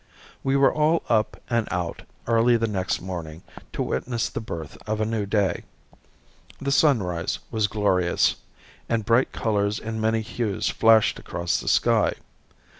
We were all up and out early the next morning to witness the birth of a new day. The sunrise was glorious, and bright colors in many hues flashed across the sky.